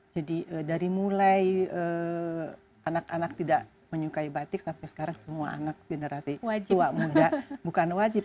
jadi dari mulai anak anak tidak menyukai batik sampai sekarang semua anak generasi tua muda bukan wajib